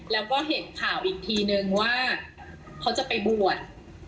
แล้วก็เห็นข่าวอีกทีนึงว่าเขาจะไปบวช